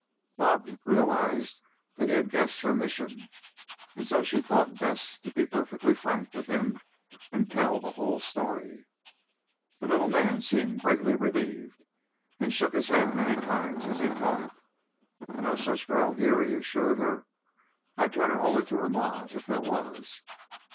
Bob realized that he had guessed her mission and so she thought best to be perfectly frank with him and tell the whole story. The little man seemed greatly relieved, and shook his head many times as he talked. "No such girl here," he assured her. "I'd turn her over to her Ma if there was.